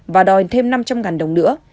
và đòi thêm năm trăm linh đồng nữa